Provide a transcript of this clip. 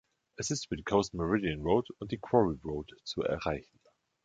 Es ist über die Coast Meridian Road und die Quarry Road zu erreichen.